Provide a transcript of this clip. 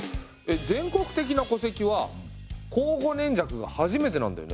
全国的な戸籍は庚午年籍が初めてなんだよね。